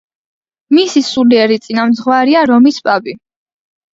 მისი სულიერი წინამძღვარია რომის პაპი.